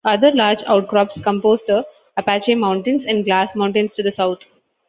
Other large outcrops compose the Apache Mountains and Glass Mountains to the south.